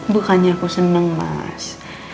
bukannya aku seneng mas